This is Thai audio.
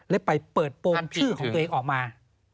และไปเปิดโปรงชื่อของตัวเองออกมา